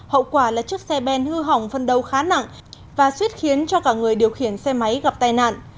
hậu quả là chiếc xe ben hư hỏng phân đầu khá nặng và suýt khiến cho cả người điều khiển xe máy gặp tai nạn